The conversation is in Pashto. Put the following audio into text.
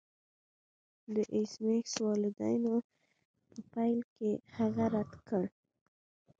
د ایس میکس والدینو په پیل کې هغه رد کړ